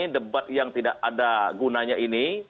debat yang tidak ada gunanya ini